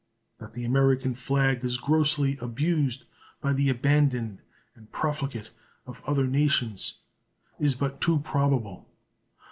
That the American flag is grossly abused by the abandoned and profligate of other nations is but too probable.